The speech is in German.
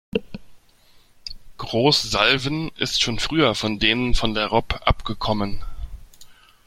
Groß-Salwen ist schon früher von denen von der Ropp abgekommen.